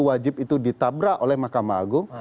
wajib itu ditabrak oleh mahkamah agung